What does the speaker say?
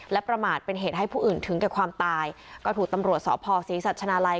และประมาทเป็นเหตุให้ผู้อื่นถึงแก่ความตายก็ถูกตำรวจสพศรีสัชนาลัย